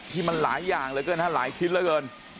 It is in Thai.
ที่มันหลายอย่างเหลือเกินฮะหลายชิ้นเหลือเกิน